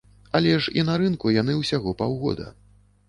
Але ж і на рынку яны ўсяго паўгода.